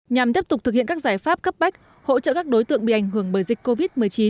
nhằm tiếp tục thực hiện các giải pháp cấp bách hỗ trợ các đối tượng bị ảnh hưởng bởi dịch covid một mươi chín